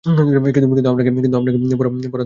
কিন্তু আপনাকে পড়া অতো কঠিন না।